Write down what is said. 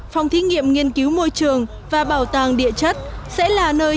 phòng thí nghiệm nghiên cứu môi trường và bảo tàng điện